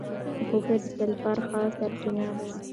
هوږه د سلفر ښه سرچینه ده.